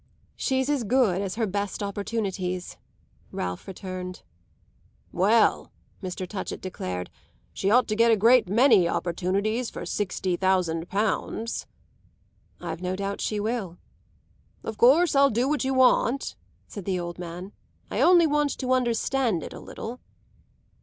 "She's as good as her best opportunities," Ralph returned. "Well," Mr. Touchett declared, "she ought to get a great many opportunities for sixty thousand pounds." "I've no doubt she will." "Of course I'll do what you want," said the old man. "I only want to understand it a little."